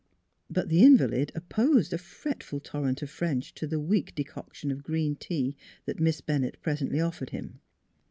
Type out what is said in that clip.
But the invalid opposed a fretful torrent of French to the weak decoction of green tea Miss Bennett presently offered him.